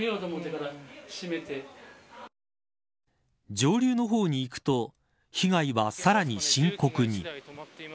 上流の方に行くと被害は、さらに深刻に。